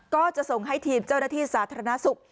ก็จะส่งให้ทีมเจ้าหน้าที่สาธารณสุข